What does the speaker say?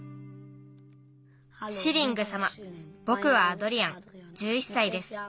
「シリングさま。ぼくはアドリアン１１歳です。